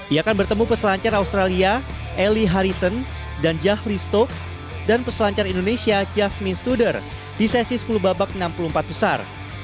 ia akan bertemu peselancar australia elli harrison dan jahri stocks dan peselancar indonesia jasmine studer di sesi sepuluh babak enam puluh empat besar